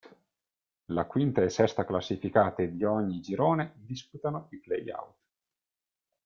La quinta e sesta classificate di ogni girone disputano i playout.